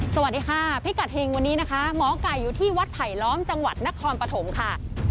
สวัสดีค่ะพิกัดเฮงวันนี้นะคะหมอไก่อยู่ที่วัดไผลล้อมจังหวัดนครปฐมค่ะ